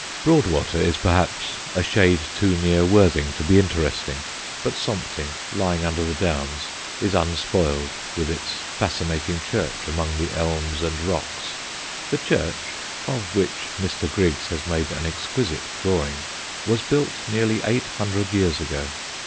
Broadwater is perhaps a shade too near Worthing to be interesting, but Sompting, lying under the Downs, is unspoiled, with its fascinating church among the elms and rocks. The church (of which Mr. Griggs has made an exquisite drawing) was built nearly eight hundred years ago.